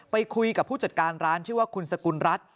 ไปคุยกับผู้จัดการร้านชื่อว่าคุณสกุลรัฐ